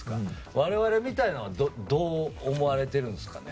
我々みたいなのはどう思われてるんですかね